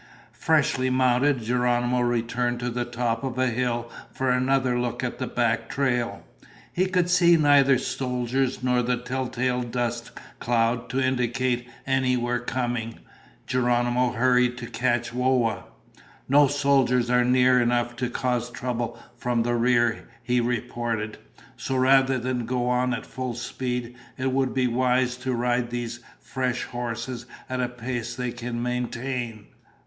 Freshly mounted, Geronimo returned to the top of a hill for another look at the back trail. He could still see neither soldiers nor the telltale dust cloud to indicate any were coming. Geronimo hurried to catch Whoa. "No soldiers are near enough to cause trouble from the rear," he reported. "So rather than go on at full speed, it would be wise to ride these fresh horses at a pace they can maintain."